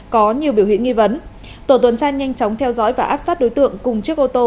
có nhiều biểu hiện nghi vấn tổ tuần tra nhanh chóng theo dõi và áp sát đối tượng cùng chiếc ô tô